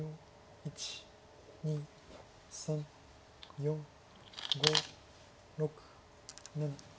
１２３４５６７。